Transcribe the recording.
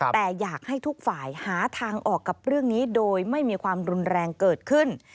แต่อยากให้ทุกฝ่ายหาทางออกกับเรื่องนี้โดยไม่มีความรุนแรงเกิดขึ้น